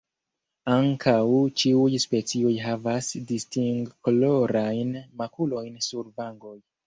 Ankaŭ ĉiuj specioj havas distingkolorajn makulojn sur vangoj.